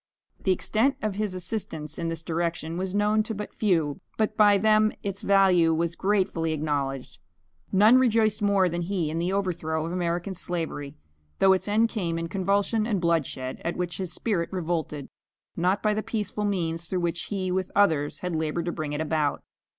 The extent of his assistance in this direction was known to but few, but by them its value was gratefully acknowledged. None rejoiced more than he in the overthrow of American slavery, though its end came in convulsion and bloodshed, at which his spirit revolted, not by the peaceful means through which he with others had labored to bring it about.